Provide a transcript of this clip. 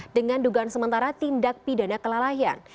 dengan dugaan sementara tindak pidana kelalaian